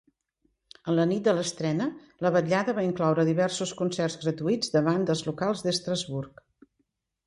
En la nit de l'estrena, la vetllada va incloure diversos concerts gratuïts de bandes locals d'Estrasbourg.